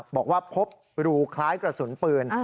บอกว่าพบรูคล้ายกระสุนปืน